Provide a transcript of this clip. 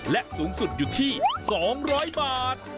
และสูงสุดอยู่ที่๒๐๐บาท